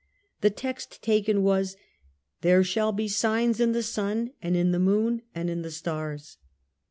The text taken was :" There shall be signs in the Sun and in the Moon and in the Stars